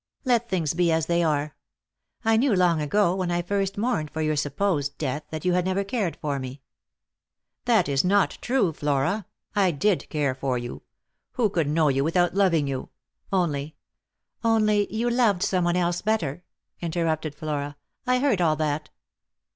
Let things be as they are. I knew long ago, when I first mourned for your supposed death, that you had never cared for me." " That is not true, Flora. I did care for you — who could know you without loving you ?— only "" Only you loved some one else better," interrupted Flora. " I heard all that."